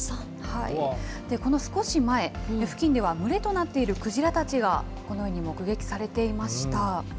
この少し前、付近では群れとなっているクジラたちがこのように目撃されていました。